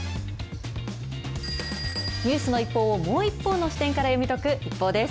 ニュースの一報を、もう一方の視点から読み解く、ＩＰＰＯＵです。